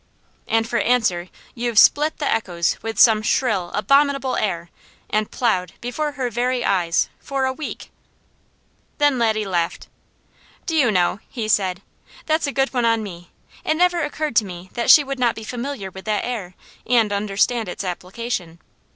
"And for answer you've split the echoes with some shrill, abominable air, and plowed, before her very eyes, for a week!" Then Laddie laughed. "Do you know," he said; "that's a good one on me! It never occurred to me that she would not be familiar with that air, and understand its application.